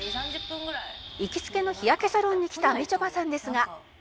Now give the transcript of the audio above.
「行きつけの日焼けサロンに来たみちょぱさんですが」